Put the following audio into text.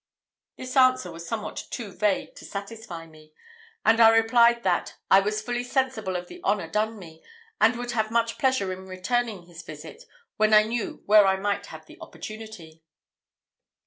This answer was somewhat too vague to satisfy me; and I replied, that "I was fully sensible of the honour done me; and would have much pleasure in returning his visit, when I knew where I might have the opportunity."